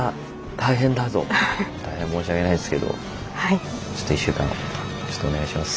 大変申し訳ないですけど１週間ちょっとお願いします。